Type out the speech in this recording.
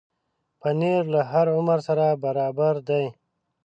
پنېر له هر عمر سره برابر دی.